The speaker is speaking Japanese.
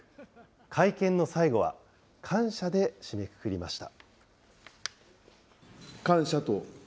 会見の最後は、感謝で締めくくりました。